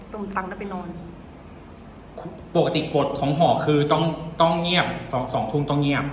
ตุงตังค์แล้วไปนอนปกติกฎของห่อคือต้องต้องเงียบสองสองทุ่มต้องเงียบ